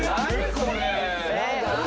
これ。